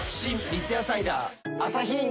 三ツ矢サイダー』